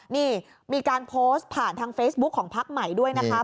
นี่มีการโพสต์ผ่านทางเฟซบุ๊คของพักใหม่ด้วยนะคะ